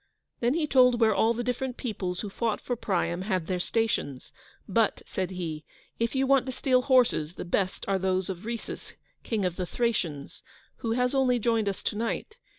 Then he told where all the different peoples who fought for Priam had their stations; but, said he, "if you want to steal horses, the best are those of Rhesus, King of the Thracians, who has only joined us to night.